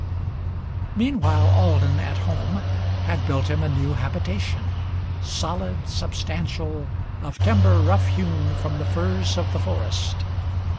Meanwhile Alden at home had built him a new habitation, Solid, substantial, of timber rough hewn from the firs of the forest.